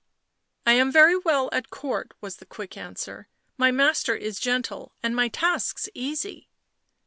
" I am very well at Court," was the quick answer. " My master is gentle and my tasks easy."